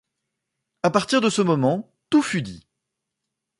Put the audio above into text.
À partir de ce moment, tout fut dit.